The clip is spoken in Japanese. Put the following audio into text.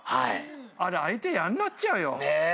あれ相手やんなっちゃうよ。